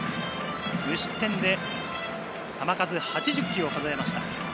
無失点で球数８０球を数えました。